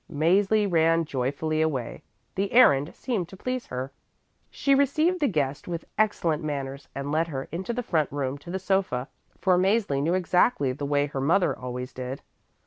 Mäzli ran joyfully away; the errand seemed to please her. She received the guest with excellent manners and led her into the front room to the sofa, for Mäzli knew exactly the way her mother always did.